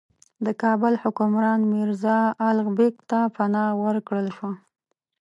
د کابل حکمران میرزا الغ بېګ ته پناه ورکړل شوه.